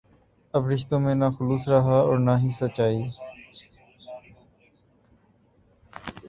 اب رشتوں میں نہ خلوص رہا ہے اور نہ ہی سچائی